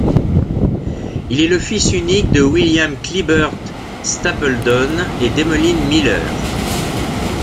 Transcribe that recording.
Il est le fils unique de William Clibbert Stapledon et d'Emmeline Miller.